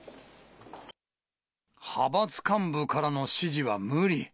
派閥幹部からの支持は無理。